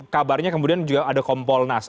kabarnya kemudian juga ada kompolnas